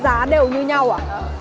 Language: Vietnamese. giá đều như nhau à